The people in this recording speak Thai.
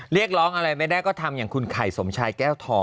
เรียกร้องอะไรไม่ได้ก็ทำอย่างคุณไข่สมชายแก้วทอง